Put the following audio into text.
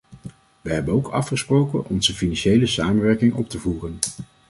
Wij hebben ook afgesproken onze financiële samenwerking op te voeren.